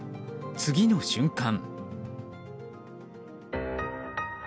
次の瞬間。